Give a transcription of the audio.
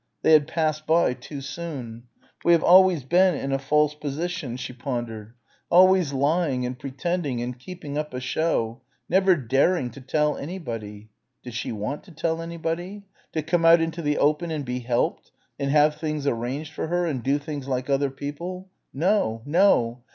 They had passed by too soon. We have always been in a false position, she pondered. Always lying and pretending and keeping up a show never daring to tell anybody.... Did she want to tell anybody? To come out into the open and be helped and have things arranged for her and do things like other people? No.... No....